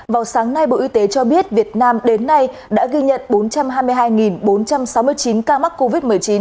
vào sáng nay bộ y tế cho biết việt nam đến nay đã ghi nhận bốn trăm hai mươi hai bốn trăm sáu mươi chín ca mắc covid một mươi chín